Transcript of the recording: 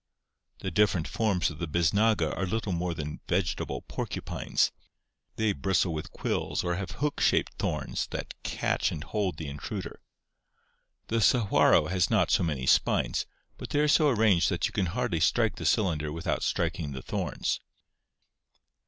The different forms of the bisnaga are little more than vegetable porcupines. They bristle with quills or have hook shaped thorns that catch DESERT ADAPTATION 399 and hold the intruder. The sahuaro has not so many spines, but they are so arranged that you can hardly strike the cylinder with out striking the thorns."